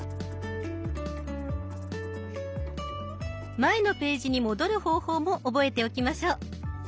前のページに戻る方法も覚えておきましょう。